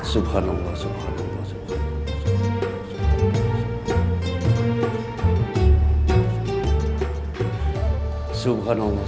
subhanallah subhanallah subhanallah